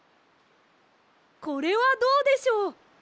これはどうでしょう。